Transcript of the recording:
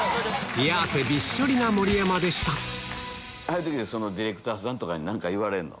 冷や汗びっしょりな盛山でしたああいう時はディレクターさんとかに何か言われるの？